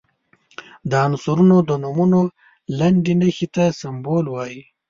د عنصرونو د نومونو لنډي نښې ته سمبول وايي.